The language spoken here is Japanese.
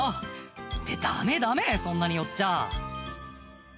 「ってダメダメそんなに寄っちゃ」